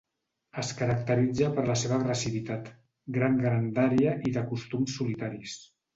Es caracteritza per la seva agressivitat, gran grandària i de costums solitaris.